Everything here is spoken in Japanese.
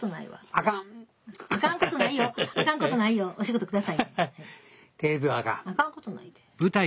あかんことないて。